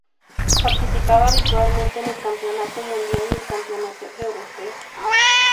Participa habitualmente en el campeonato mundial y en el campeonato europeo.